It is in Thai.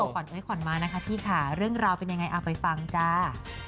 ขวัญเอ้ยขวัญมานะคะพี่ค่ะเรื่องราวเป็นยังไงเอาไปฟังจ้า